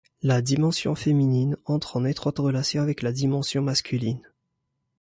La dimension féminine entre en étroite relation avec la dimension masculine.